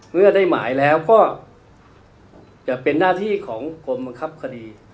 เมื่อได้หมายแล้วก็จะเป็นหน้าที่ของกรมบังคับคดี